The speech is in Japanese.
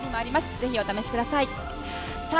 ぜひお試しください。